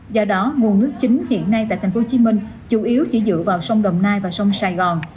do đó nguồn nước chính hiện nay tại tp hcm chủ yếu chỉ dựa vào sông đồng nai và sông sài gòn